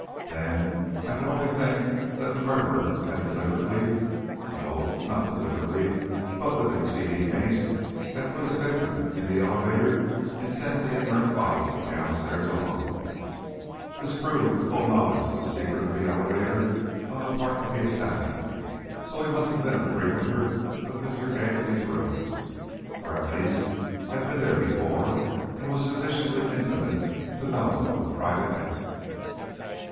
Then, I could only think that the murderer had deliberately, no, not deliberately, but with exceeding haste, had put his victim in the elevator and sent the inert body downstairs alone. This proved the full knowledge of the secret elevator on the part of the assassin, so he must have been a frequenter of Mr. Gately's rooms, or, at least had been there before, and was sufficiently intimate to know of the private exit.